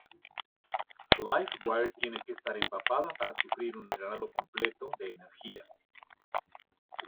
Livewire tiene que estar empapada para sufrir un drenado completo de energía.